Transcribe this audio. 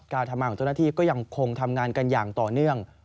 การทำงานของเจ้าหน้าที่ก็ยังคงทำงานกันอย่างต่อเนื่อง